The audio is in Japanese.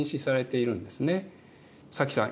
早紀さん